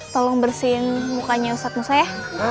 tolong bersihin mukanya usap musa ya